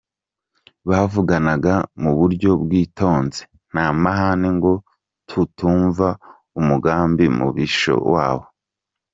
Bavuganaga mu buryo bwitonze, nta mahane ngo tutumva umugambi mubisha wabo.